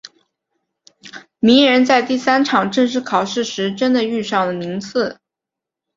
鸣人在第三场正式考试时真的遇上了宁次。